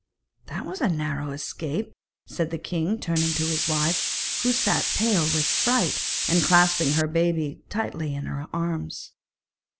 'That was a narrow escape,' said the king, turning to his wife, who sat pale with fright, and clasping her baby tightly in her arms.